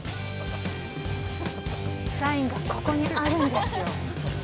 サインがここにあるんですよ。